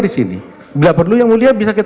di sini nggak perlu yang mulia bisa kita